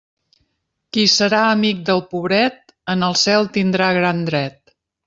Qui serà amic del pobret, en el cel tindrà gran dret.